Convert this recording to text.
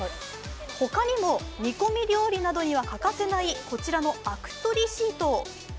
他にも煮込み料理などには欠かせないこちらのあく取りシート。